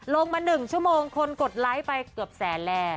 ลงมาหนึ่งชั่วโมงคนกดไลค์ไปเกือบแสนแรง